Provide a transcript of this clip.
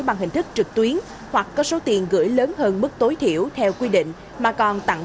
bằng hình thức trực tuyến hoặc có số tiền gửi lớn hơn mức tối thiểu theo quy định mà còn tặng